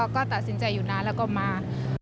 ก็ตัดสินใจอยู่นานแล้วก็มา